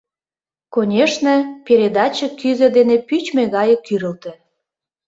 Конешне, передаче кӱзӧ дене пӱчмӧ гае кӱрылтӧ.